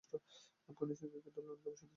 Afghanistan cricket দলের অন্যতম সদস্য ছিলেন তিনি।